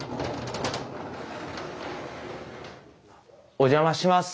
お邪魔します。